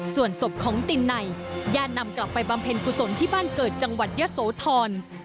ส่วนศพของตินไหนญาตินำกลับไปบำเพ็ญกุศลที่บ้านเกิดจังหวัดยะโสธร